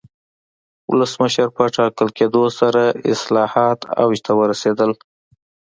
ولسمشر په ټاکل کېدو سره اصلاحات اوج ته ورسېدل.